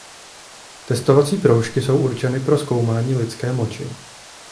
Testovací proužky jsou určeny pro zkoumání lidské moči.